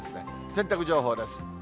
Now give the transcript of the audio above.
洗濯情報です。